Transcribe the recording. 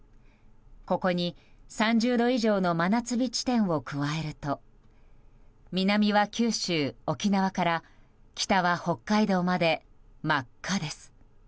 ここに３０度以上の真夏日地点を加えると南は九州・沖縄から北は北海道まで真っ赤です。